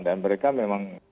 dan mereka memang bergerak